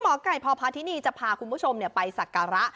หมอไก่พพาธินีจะพาคุณผู้ชมไปสักการะ